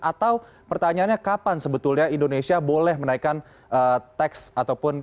atau pertanyaannya kapan sebetulnya indonesia boleh menaikan tax ataupun